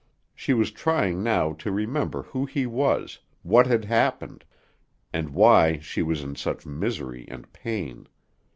She was trying now to remember who he was, what had happened, and why she was in such misery and pain.